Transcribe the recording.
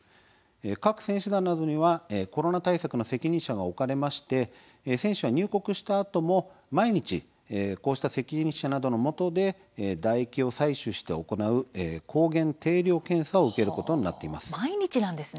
各選手団などにはコロナ対策の責任者が置かれまして選手は入国したあとも毎日こうした責任者などのもとで唾液を採取して行う抗原定量検査を受けることになっています。